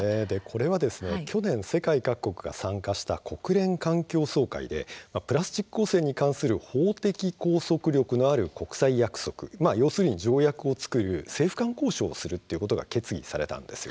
これは去年世界各国が参加した国連環境総会でプラスチック汚染に関する法的拘束力のある国際約束、要するに条約を作る政府間交渉を行うことが決議されたんです。